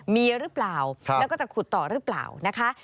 มีหรือเปล่าแล้วก็จะขุดต่อหรือเปล่านะคะ